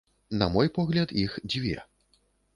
На мой погляд, іх дзве.